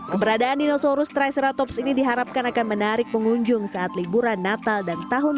keberadaan dinosaurus triceratops ini diharapkan akan menarik pengunjung saat liburan natal dan tahun